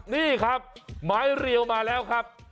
นี่ครับไม้เรียวมาแล้วครับ